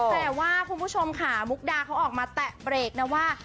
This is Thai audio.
แต่ว่าคุณผู้ชมค่ะมุกดาเขาออกมาแตะเบรกนะว่า